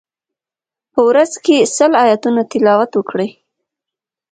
په ورځ کی سل آیتونه تلاوت وکړئ.